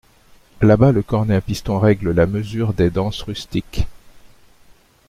Là-bas le cornet à piston règle la mesure des danses rustiques.